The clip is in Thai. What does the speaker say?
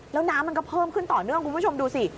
แล้วน้ำมันก็เพิ่มขึ้นต่อเนื่องคุณผู้ชมดูสิ